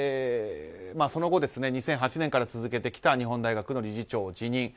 その後２００８年から続けてきた日本大学の理事長を辞任。